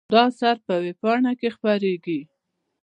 دا اثر په وېبپاڼه کې خپریږي.